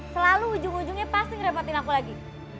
selalu ujung ujungnya pasti ngerempetin aku lagi